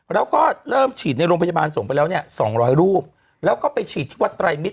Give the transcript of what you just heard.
แล้วก็เริ่มฉีดในโรงพยาบาลสงศ์ไปแล้ว๒๐๐รูปแล้วก็ไปฉีดที่วัดไตรมิตร